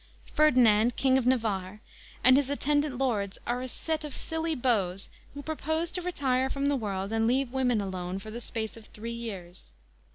Ferdinand, King of Navarre, and his attendant lords are a set of silly beaux who propose to retire from the world and leave women alone for the space of three years.